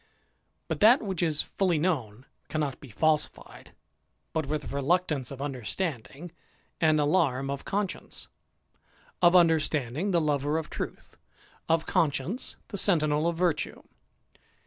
But that which is fully known cannot ♦ Note XXXIV., Appendix. THE IDLER. 329 t>e falsified but with reluctance of understanding, and ^.larra of conscience : of understanding, the lover of truth ; CDf conscience, the sentinel of virtue.